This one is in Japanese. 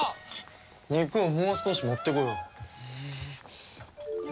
肉をもう少し持ってこよう。